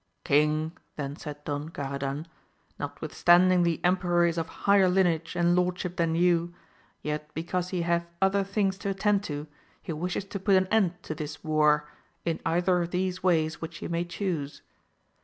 King, then said Don Garadan, notwithstanding the emperor is of higher lineage and lordship than you, yet be cause he hath other things to attend to, he wishes to 244 AMADIS OF GAUL put an end to this war, in either of these ways which you may chuse.